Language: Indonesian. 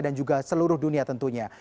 dan juga seluruh dunia tentunya